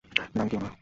নাম কী উনার।